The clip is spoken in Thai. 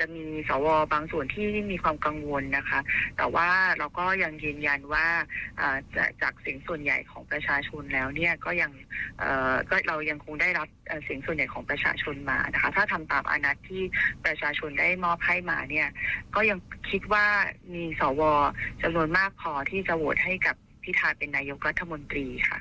จำนวนมากพอที่จะโหวตให้กับพิธาเป็นนายกรัฐมนตรีค่ะ